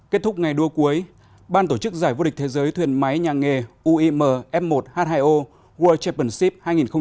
kết thúc ngày đua cuối ban tổ chức giải vô địch thế giới thuyền máy nhà nghề uim f một h hai o world championship hai nghìn hai mươi bốn